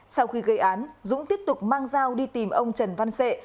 sau khi gây án dũng tiếp tục mang dao đi tìm ông trần văn sệ